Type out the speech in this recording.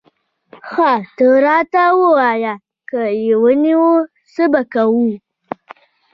ښه ته داراته ووایه، که یې ونیولې، څه به کوو؟